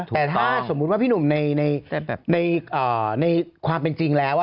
แต่ถ้าสมมุติว่าพี่หนุ่มในความเป็นจริงแล้ว